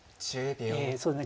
えそうですね